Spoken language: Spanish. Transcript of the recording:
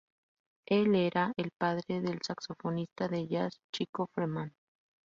Él era el padre del saxofonista de jazz Chico Freeman.